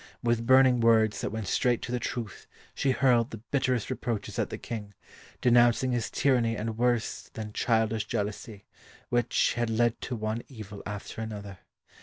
With burning words that went straight to the truth, she hurled the bitterest reproaches at the King, denouncing his tyranny and worse than childish jealousy, which had led to one evil after another.